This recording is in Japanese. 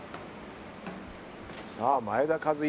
さあ前田和威